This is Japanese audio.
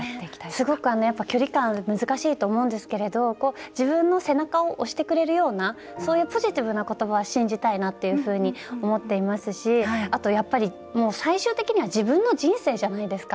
すごく距離感難しいと思うんですけれど自分の背中を押してくれるようなそういうポジティブな言葉は信じたいなっていうふうに思っていますし、あとやっぱり最終的には自分の人生じゃないですか。